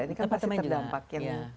ini kan pasti terdampak